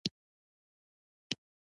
منځنی مغزه هم یوه مهمه برخه ده